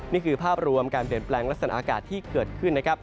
นี่คือภาพรวมการเปลี่ยนแปลงลักษณะอากาศที่เกิดขึ้นนะครับ